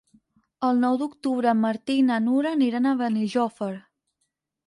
El nou d'octubre en Martí i na Nura aniran a Benijòfar.